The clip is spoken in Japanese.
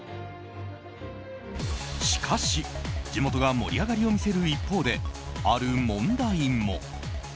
しかし、地元が盛り上がりを見せる一方で、ある問題も。